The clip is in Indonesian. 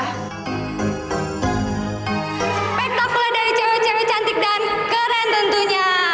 spektakuler dari cewek cewek cantik dan keren tentunya